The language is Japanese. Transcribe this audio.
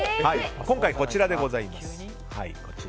今回こちらでございます。